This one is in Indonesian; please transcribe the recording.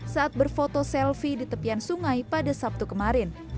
saat berfoto selfie di tepian sungai pada sabtu kemarin